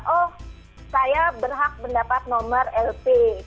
oh saya berhak mendapat nomor lp